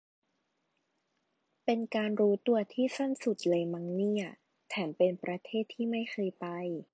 เป็นการรู้ตัวที่สั้นสุดเลยมั้งเนี่ย แถมเป็นประเทศที่ไม่เคยไป